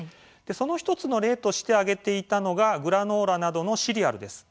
その１つの例として挙げていたのがグラノーラなどのシリアルです。